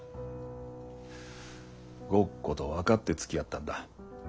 ごっこと分かってつきあったんだ。